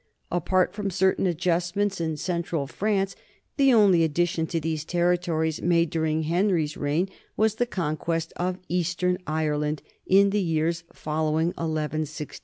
Apart from certain adjustments in central France, the only addition to these territories made dur ing Henry's reign was the conquest of eastern Ireland in the years following 1 169.